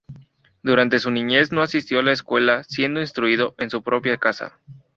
Durante su niñez no asistió a la escuela, siendo instruido en su propia casa.